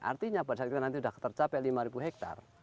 artinya pada saat kita nanti sudah tercapai lima ribu hektar